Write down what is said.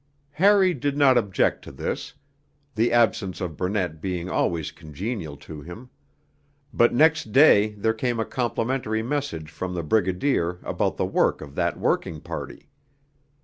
Harry did not object to this, the absence of Burnett being always congenial to him. But next day there came a complimentary message from the Brigadier about the work of that working party.